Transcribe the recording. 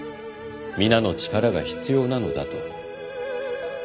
「皆の力が必要なのだ」と。